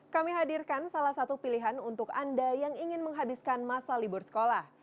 kami hadirkan salah satu pilihan untuk anda yang ingin menghabiskan masa libur sekolah